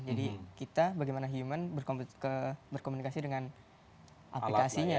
jadi kita bagaimana human berkomunikasi dengan aplikasinya